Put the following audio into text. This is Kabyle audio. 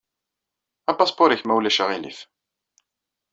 Apaspuṛ-nnek, ma ulac aɣilif.